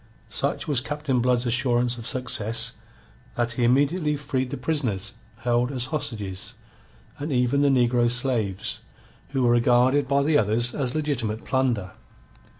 Such was Captain Blood's assurance of success that he immediately freed the prisoners held as hostages, and even the negro slaves, who were regarded by the others as legitimate plunder.